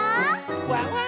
ワンワン